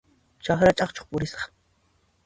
Chakra ch'aqchuq purisaq.